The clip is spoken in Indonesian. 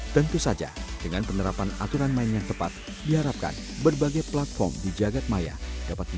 tentu saja dengan penerapan aturan main yang tepat diharapkan berbagai platform di jagad maya dapat menjadi alat yang berguna